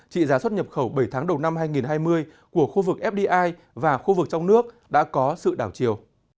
trị giá xuất nhập khẩu bảy tháng đầu năm hai nghìn hai mươi của khu vực fdi và khu vực trong nước đã có sự đảo chiều